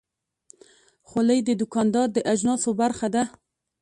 خولۍ د دوکاندار د اجناسو برخه ده.